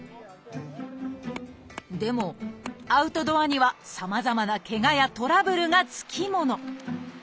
でもアウトドアにはさまざまなケガやトラブルが付き物。